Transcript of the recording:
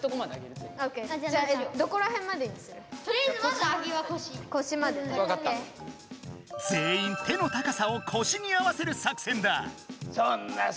ぜんいん手の高さをこしに合わせる作戦だ。